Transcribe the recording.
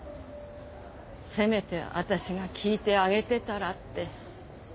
せめて私が聞いてあげてたらって。